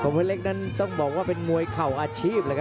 คมเพชรเล็กนั้นต้องบอกว่าเป็นมวยเข่าอาชีพ